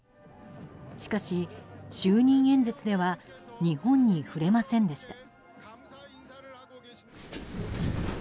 しかし、就任演説では日本に触れませんでした。